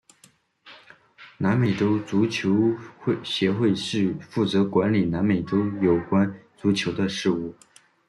南美洲足球协会是负责管理南美洲有关足球的事务。